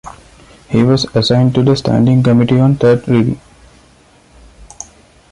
He was assigned to the standing committee on third reading.